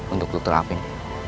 untuk dokter alvin